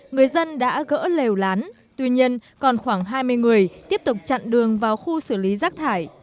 người dân đã gỡ lèo lán tuy nhiên còn khoảng hai mươi người tiếp tục chặn đường vào khu xử lý rác thải